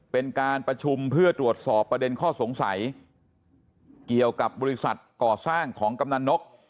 เป็นการประชุมเพื่อตรวจสอบประเด็นข้อสงสัยเกี่ยวกับบริษัทก่อสร้างของกำนันนก